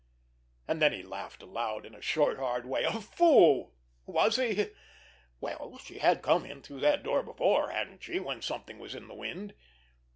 And then he laughed aloud in a short, hard way. A fool! Was he? Well, she had come in through that door before, hadn't she, when something was in the wind?